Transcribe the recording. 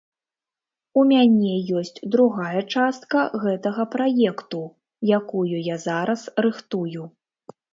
У мяне ёсць другая частка гэтага праекту, якую я зараз рыхтую.